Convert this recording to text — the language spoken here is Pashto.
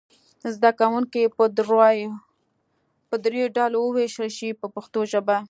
زده کوونکي به دریو ډلو وویشل شي په پښتو ژبه.